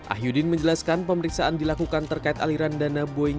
ahyuddin menjelaskan pemeriksaan dilakukan terkait aliran dana boeing